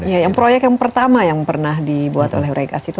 ya yang proyek yang pertama yang pernah dibuat oleh regas itu